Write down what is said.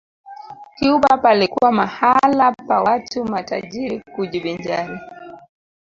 Cuba palikuwa mahala pa watu matajiri kujivinjari